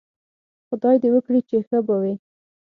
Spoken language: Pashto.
خدای دې وکړي چې ښه به وئ